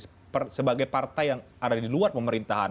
sebagai partai yang ada di luar pemerintahan